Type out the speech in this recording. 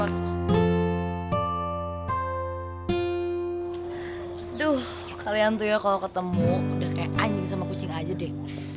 aduh ya kalian tuh ya kalau ketemu udah kayak anjing sama kucing aja deh